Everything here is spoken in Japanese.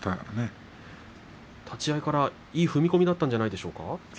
立ち合いからいい踏み込みだったんじゃないですか。